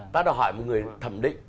ta đòi hỏi một người thẩm định